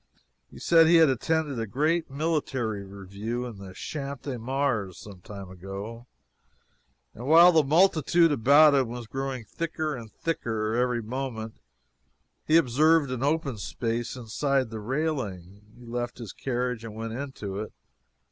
He said he had attended a great military review in the Champ de Mars some time ago, and while the multitude about him was growing thicker and thicker every moment he observed an open space inside the railing. He left his carriage and went into it.